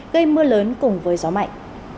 gây mưa lớn cùng với gió mạnh